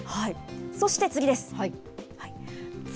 そして次です。